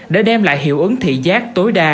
để đem lại hiệu ứng thị giác tối đa